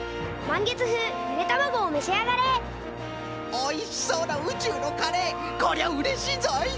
おいしそうなうちゅうのカレー！こりゃうれしいぞい！